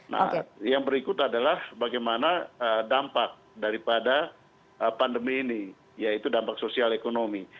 nah yang berikut adalah bagaimana dampak daripada pandemi ini yaitu dampak sosial ekonomi